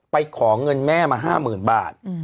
ขอเงินแม่มา๕๐๐๐บาท